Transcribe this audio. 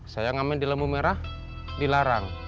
saya ngamen di lampu merah dilarang